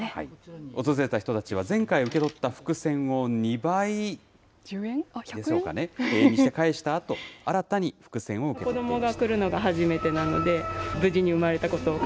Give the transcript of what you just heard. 訪れた人たちは、前回受け取った福銭を２倍？でしょうかね？にして返したあと、新たに福銭を受け取っていました。